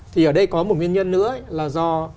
thì ở đây có một nguyên nhân nữa là do